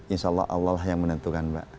insya allah allah yang menentukan mbak